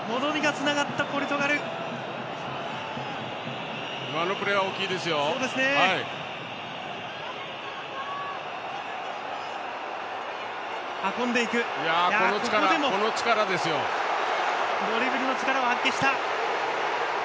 ドリブルの力を発揮した。